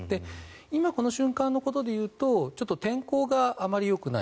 今、この瞬間のことでいうと天候があまりよくない。